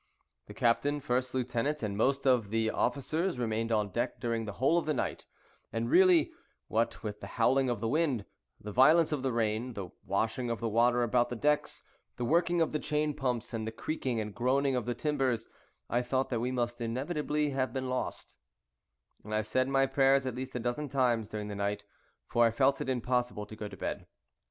The captain, first lieutenant, and most of the officers, remained on deck during the whole of the night; and really, what with the howling of the wind, the violence of the rain, the washing of the water about the decks, the working of the chain pumps, and the creaking and groaning of the timbers, I thought that we must inevitably have been lost; and I said my prayers at least a dozen times during the night, for I felt it impossible to go to bed.